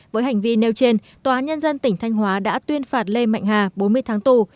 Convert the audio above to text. với hành vi nêu trên tòa nhân dân tỉnh thanh hóa đã tuyên phạt lê mạnh hà bốn mươi tháng tù